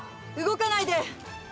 動かないで！